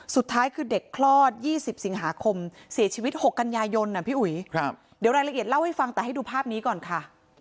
สุดท้ายคือเด็กคลอด๒๐สิงหาคมเสียชีวิต๖กันยายนพี่อุ๋ยเดี๋ยวรายละเอียดเล่าให้ฟังแต่ให้ดูภาพนี้ก่อนค่ะ